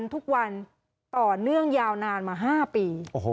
ต่อเนื่องยาวนานมา๕ปี